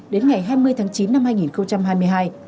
đến ngày hai mươi tháng chín năm hai nghìn hai mươi hai